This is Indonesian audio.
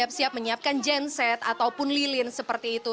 siap siap menyiapkan genset ataupun lilin seperti itu